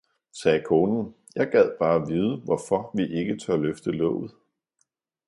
sagde konen, jeg gad bare vide, hvorfor vi ikke tør løfte låget.